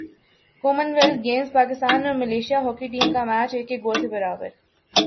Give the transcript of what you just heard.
common wealth Games Pakistan اور Malaysia hockey team کا match ایک ایک گول سے برابر